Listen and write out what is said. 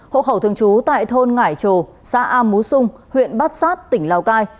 hộ khẩu thường trú tại thôn ngải trồ xã am mú sung huyện bát sát tỉnh lào cai